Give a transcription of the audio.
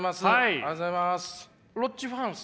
ありがとうございます。